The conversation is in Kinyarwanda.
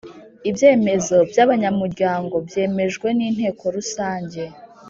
Ibyemezo by’abanyamuryango byemejwe n’Inteko Rusange